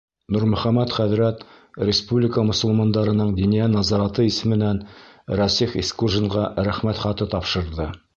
Нурмөхәмәт хәҙрәт республика мосолмандарының Диниә назараты исеменән Рәсих Исҡужинға рәхмәт хаты тапшырҙы.